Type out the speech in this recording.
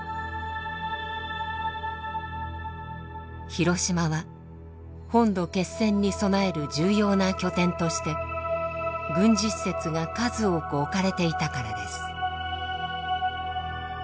広島は本土決戦に備える重要な拠点として軍事施設が数多く置かれていたからです。